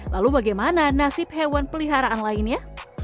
lalu bagaimana nasib hewan peliharaan lainnya